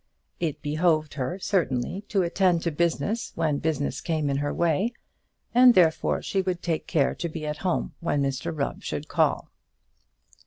It behoved her certainly to attend to business when business came in her way, and therefore she would take care to be at home when Mr Rubb should call.